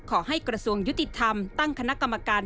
กระทรวงยุติธรรมตั้งคณะกรรมการ